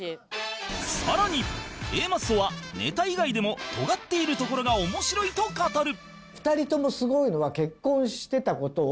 更に Ａ マッソはネタ以外でもトガっているところが面白いと語る